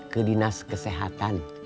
ke dinas kesehatan